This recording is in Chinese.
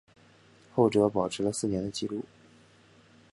后者保持了四年的纪录。